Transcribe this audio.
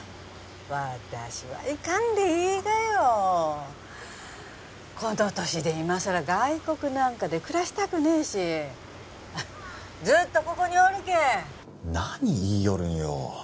私は行かんでいいがよこの年で今さら外国なんかで暮らしたくねえしずっとここにおるけん何言いよるんよ